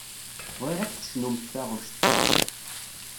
Bɣiɣ ad d-tecnumt taɣect.